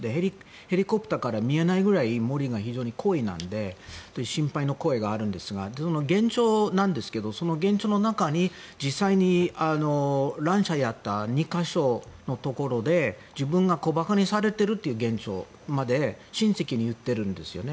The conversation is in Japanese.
ヘリコプターから見えないくらい森が非常に濃いので心配の声があるんですが幻聴なんですけどその幻聴の中に実際に乱射をやった２か所のところで自分が馬鹿にされているという幻聴まで親戚に言っているんですよね。